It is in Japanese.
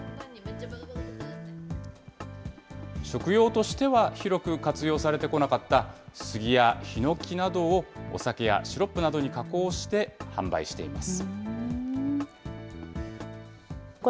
食用としては広く活用されてこなかったスギやヒノキなどを、お酒やシロップなどに加工して販売しています。